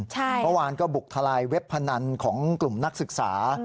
เมื่อวานก็บุกทลายเว็บพนันของกลุ่มนักศึกษา